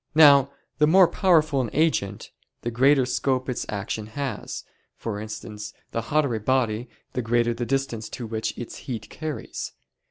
Now the more powerful an agent, the greater scope its action has: for instance, the hotter a body, the greater the distance to which its heat carries.